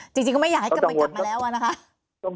จริงก็ไม่อยากให้กลับมาแล้วอะนะคะ